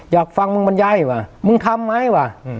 อยากฟังมึงบรรยายว่ะมึงทำไหมว่ะ